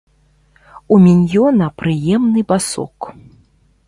У міньёна прыемны басок.